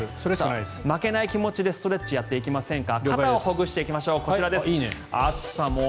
負けない気持ちでストレッチやっていきませんか？